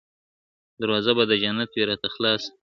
دروازه به د جنت وي راته خلاصه ,